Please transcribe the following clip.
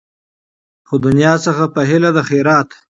خو دنیا څخه په هیله د خیرات دي